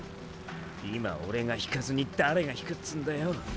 今オレが引かずに誰が引くつんだよ。